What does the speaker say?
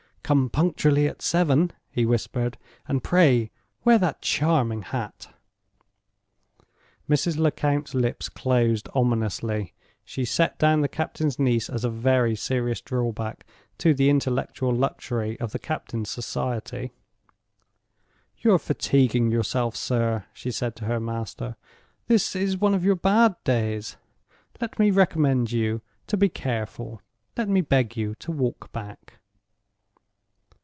"Come punctually at seven," he whispered, "and pray wear that charming hat!" Mrs. Lecount's lips closed ominously. She set down the captain's niece as a very serious drawback to the intellectual luxury of the captain's society. "You are fatiguing yourself, sir," she said to her master. "This is one of your bad days. Let me recommend you to be careful; let me beg you to walk back."